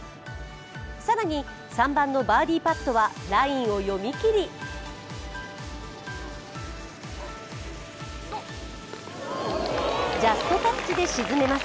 更に３番のバーディーパットはラインを読みきりジャストタッチで沈めます。